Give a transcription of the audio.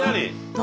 何？